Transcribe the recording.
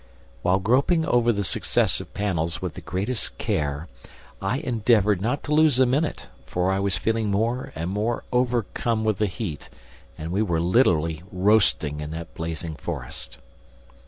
While groping over the successive panels with the greatest care, I endeavored not to lose a minute, for I was feeling more and more overcome with the heat and we were literally roasting in that blazing forest.